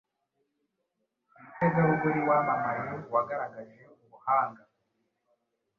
Umutegarugori wamamaye wagaragaje ubuhanga